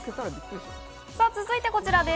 続いてこちらです。